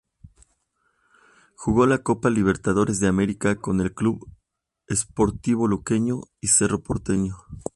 Jugo la Copa Libertadores de America con el Club Sportivo Luqueño y Cerro Porteño.